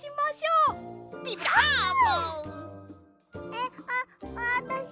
えっあっあたし。